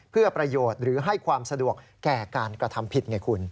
เพื่อประโยชน์หรือให้ความสะดวกแก่การกระทำผิดไงคุณ